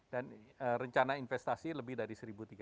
dan rencana investasi lebih dari satu tiga ratus